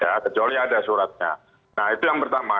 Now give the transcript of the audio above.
ya kecuali ada suratnya nah itu yang pertama